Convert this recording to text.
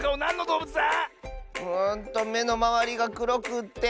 うんとめのまわりがくろくって。